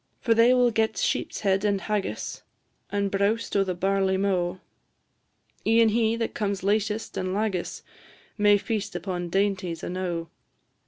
For they will get sheep's head and haggis, And browst o' the barley mow; E'en he that comes latest and lagis May feast upon dainties enow.